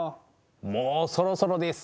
もうそろそろです。